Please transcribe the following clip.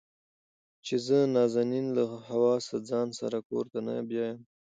چې زه نازنين له حواسه ځان سره کور ته نه بيايم.